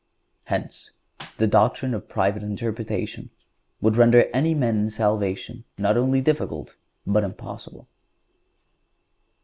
Hence, the doctrine of private interpretation would render many men's salvation not only difficult, but impossible.